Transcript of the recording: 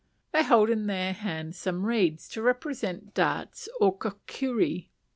They hold in their hands some reeds to represent darts or kokiri.